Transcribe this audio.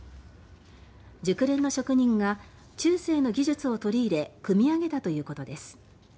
熟練の職人が中世の技術を取り入れ組み上げたということです。